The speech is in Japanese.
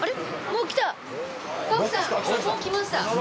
もう来ました。